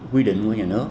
quy định của nhà nước